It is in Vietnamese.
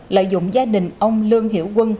lợi dụng gia đình ông lương hiểu quân